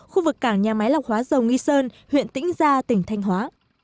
khu vực cảng nhà máy lọc hóa dầu nghi sơn huyện tĩnh gia tỉnh thanh hóa